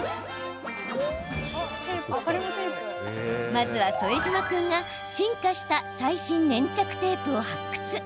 まずは、副島君が進化した最新粘着テープを発掘！